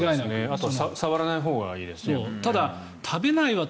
あとは触らないほうがいいです。